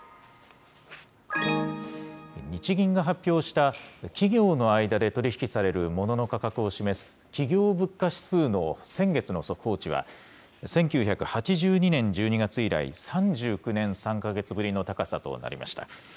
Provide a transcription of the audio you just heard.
日銀が発表した、企業の間で取り引きされるモノの価格を示す企業物価指数の先月の速報値は、１９８２年１２月以来、３９年３か月ぶりの高さとなりました。